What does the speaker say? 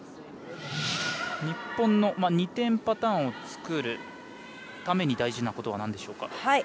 日本の２点パターンを作るために大事なことはなんでしょうか。